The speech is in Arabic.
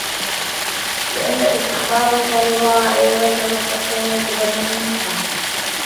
لِأَنَّ اسْتِخْبَارَهُ صَلَّى اللَّهُ عَلَيْهِ وَسَلَّمَ قَدْ كَانَ يَتَضَمَّنُ الْمَزْحَ